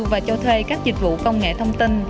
và cho thuê các dịch vụ công nghệ thông tin